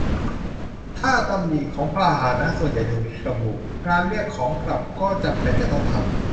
ถ้าตำหนิของพาหนะส่วนใหญ่ถูกระบุ การเรียกของกลับก็จำเป็นจะต้องทำ